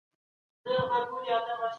د څېړنې موضوع باید واضح سي.